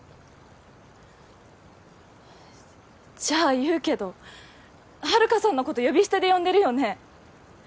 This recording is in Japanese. じゃあ言うけど遥さんのこと呼び捨てで呼んでるよね？